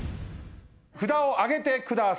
札をあげてください。